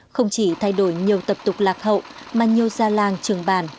không chỉ thay đổi nhiều tập tục lạc hậu mà nhiều già làng trường bản